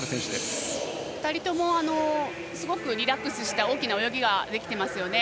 ２人ともすごくリラックスしたいい泳ぎができていますね。